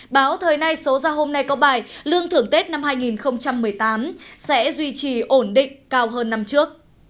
báo thời nay số ra hôm nay có bài lương thưởng tết năm hai nghìn một mươi tám sẽ duy trì ổn định cao hơn năm trước